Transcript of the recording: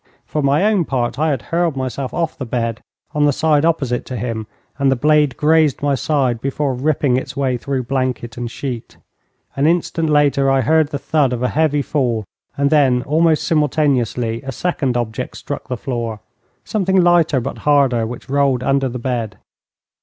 For my own part, I had hurled myself off the bed on the side opposite to him, and the blade grazed my side before ripping its way through blanket and sheet. An instant later I heard the thud of a heavy fall, and then almost simultaneously a second object struck the floor something lighter but harder, which rolled under the bed.